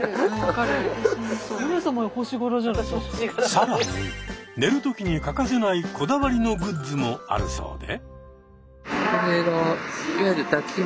更に寝る時に欠かせないこだわりのグッズもあるそうで。